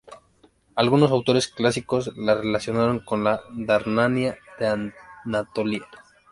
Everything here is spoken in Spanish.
Algunos autores clásicos la relacionaron con la Dardania de Anatolia.